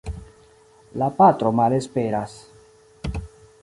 La patro malesperas.